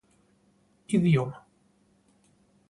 Idioma: